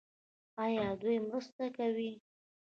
آیا دوی مرسته کوي؟